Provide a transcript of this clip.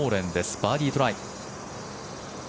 バーディートライ。